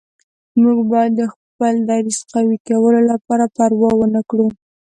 موږ باید د خپل دریځ قوي کولو لپاره پروا ونه کړو.